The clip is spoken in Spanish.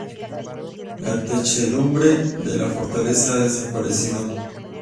La techumbre de la fortaleza ha desaparecido.